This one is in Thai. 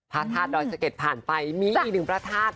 พระธาตุดอยสะเก็ดผ่านไปมีอีกหนึ่งพระธาตุ